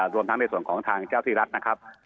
รวมทั้งในส่วนของทางเจ้าที่รัฐนะครับ